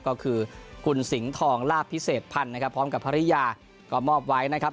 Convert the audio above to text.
ก็คือคุณสิงห์ทองลาบพิเศษพันธุ์นะครับพร้อมกับภรรยาก็มอบไว้นะครับ